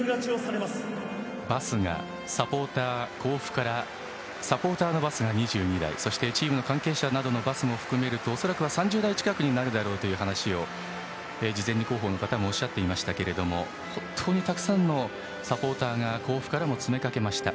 甲府からサポーターのバスが２２台そしてチームの関係者などのバスも含めると恐らくは３０台近くになるだろうという話を事前に広報の方もおっしゃっていましたけども本当にたくさんのサポーターが甲府からも詰め掛けました。